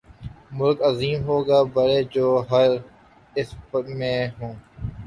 ملک عظیم ہو گا، بڑے جواہر اس میں ہوں۔